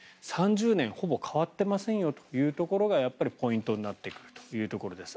３０年、ほぼ変わってませんよというところがやっぱりポイントになってくるというところです。